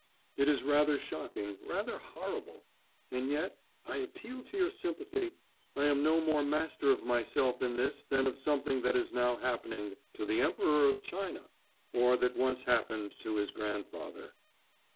It is rather shocking, rather horrible. And yet I appeal to your sympathy I am no more master of myself in this than of something that is now happening to the Emperor of China, or that once happened to his grandfather.